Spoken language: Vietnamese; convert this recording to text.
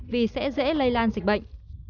vì sẽ dễ lây lan dịch bệnh